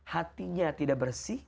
hatinya tidak bersih